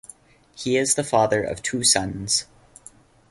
He is the father of two sons.